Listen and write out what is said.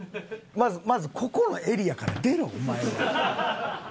まずまずここのエリアから出ろお前は。